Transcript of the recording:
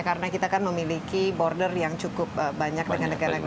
karena kita kan memiliki border yang cukup banyak dengan negara negara